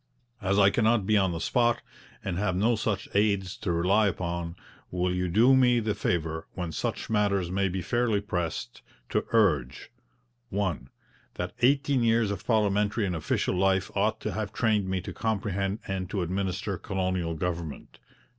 As I cannot be on the spot, and have no such aids to rely upon, will you do me the favour, when such matters may be fairly pressed, to urge: '1. That eighteen years of parliamentary and official life ought to have trained me to comprehend and to administer colonial government.